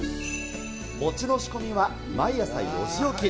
餅の仕込みは毎朝４時起き。